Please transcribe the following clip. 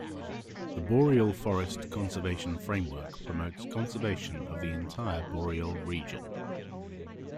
The Boreal Forest Conservation Framework promotes conservation of the entire boreal region.